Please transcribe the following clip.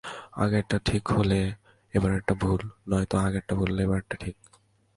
আগেরটা ঠিক হলে এবারেরটা ভুল, নয়তো আগেরটা ভুল হলে এবারেরটা ঠিক।